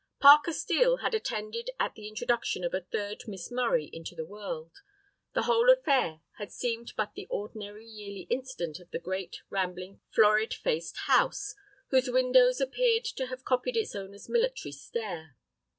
Parker Steel had attended at the introduction of a third Miss Murray into the world; the whole affair had seemed but the ordinary yearly incident in the great, rambling, florid faced house, whose windows appeared to have copied its owner's military stare.